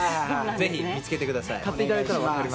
ぜひ見つけてください。